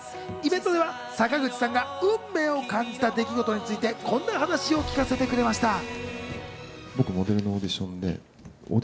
イベントでは坂口さんが運命を感じた出来事についてこんな話を聞かせてくれました。